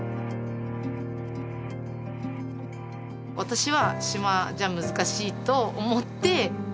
私は島じゃ難しいと思って。